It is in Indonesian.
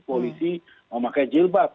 polisi mau pakai jilbab